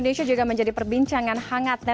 terima kasih puan rho